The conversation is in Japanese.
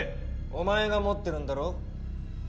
お前が持ってるんだろ？